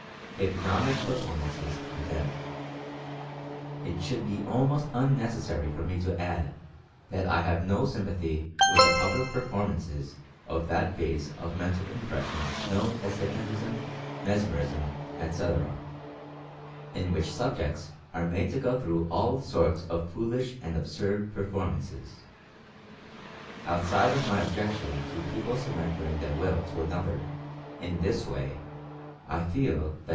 HYPNOTIC PERFORMANCES CONDEMNED. It should be almost unnecessary for me to add that I have no sympathy with the public performances of that phase of Mental Impression known as "Hyp notism, Mesmerism," etc., in which subjects are made to go through all sorts of foolish and absurd perform ances. Outside of my objection to people surrender ing their Will to another in this way I feel that.